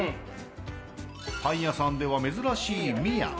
パン屋さんでは珍しいミヤ。